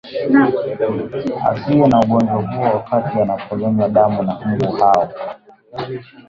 asiye na ugonjwa huo wakati anaponyonywa damu na mbu hao